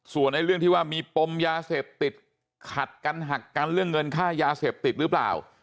ส่วนในเรื่องที่ว่ามีปมยาเสพติดขัดกันหักกันเรื่องเงินค่ายาเสพติดหรือเปล่า